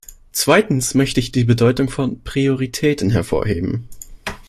Zweitens möchte ich die Bedeutung von Prioritäten hervorheben.